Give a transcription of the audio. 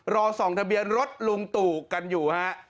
รอส่องทะเบียนรถลุงตู่กันอยู่ฮะ